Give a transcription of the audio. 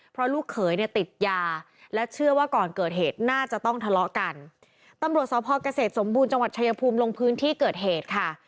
เพราะลูกเขยเนี่ยติดยาและเชื่อว่าก่อนเกิดเหตุน่าจะต้องทะเลาะกันตำรวจสพเกษตรสมบูรณ์จังหวัดชายภูมิลงพื้นที่เกิดเหตุค่ะ